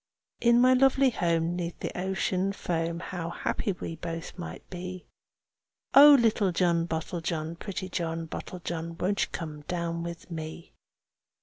In my lovely home 'neath the ocean foam, How happy we both might be! Oh! little John Bottlejohn, pretty John Bottlejohn, Won't you come down with me?"